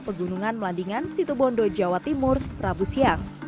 pegunungan melandingan situbondo jawa timur rabu siang